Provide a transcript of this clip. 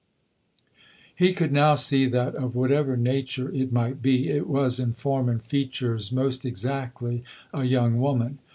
He could now see that, of whatever nature it might be, it was, in form and features, most exactly a young woman.